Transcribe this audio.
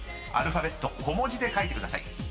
アルファベット小文字で書いてください］